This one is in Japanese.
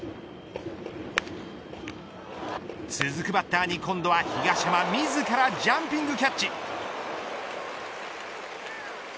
続くバッターに今度は東浜自らジャンピングキャッチ。